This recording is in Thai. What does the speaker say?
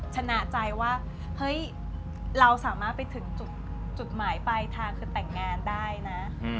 ชนะใจว่าเฮ้ยเราสามารถไปถึงจุดหมายปลายทางคือแต่งงานได้นะ